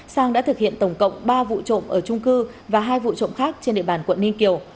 sang đã thực hiện tổng cộng ba vụ trộm ở trung cư và hai vụ trộm khác trên địa bàn quận ninh kiều